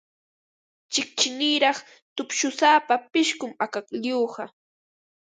Chiqchiniraq tupshusapa pishqum akaklluqa.